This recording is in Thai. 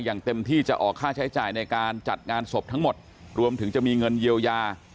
อย่างเต็มที่จะออกค่าใช้จ่ายในการจัดงานศพทั้งหมดรวมถึงจะมีเงินเยียวยา